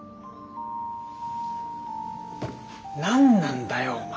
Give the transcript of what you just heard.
何なんだよお前。